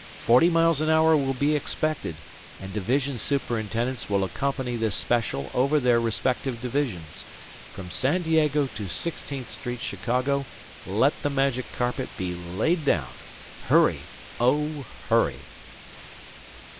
"Forty miles an hour will be expected, and division superintendents will accompany this special over their respective divisions. From San Diego to Sixteenth Street, Chicago, let the magic carpet be laid down. Hurry! Oh, hurry!"